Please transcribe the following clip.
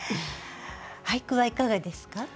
俳句はいかがですか？